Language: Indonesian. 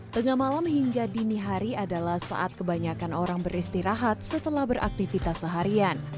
tengah malam hingga dini hari adalah saat kebanyakan orang beristirahat setelah beraktivitas seharian